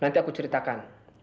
nanti aku ceritakan